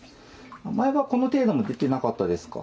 前はこの程度も出ていなかったですか。